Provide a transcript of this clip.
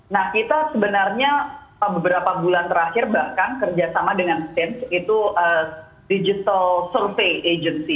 nah kita sebenarnya beberapa bulan terakhir bahkan kerjasama dengan tim itu digital survey agency